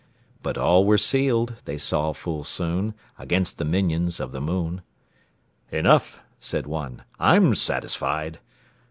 But all were sealed, they saw full soon, Against the minions of the moon. "Enough," said one: "I'm satisfied."